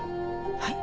はい？